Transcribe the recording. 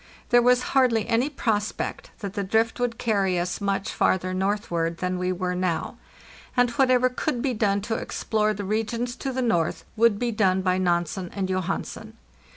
There was hardly any prospect that the drift would carry us much farther northward than we were now, and whatever could be done to explore the regions to the north would be done by Nansen and Johansen.